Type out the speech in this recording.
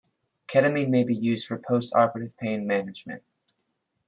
Ketamine may be used for postoperative pain management.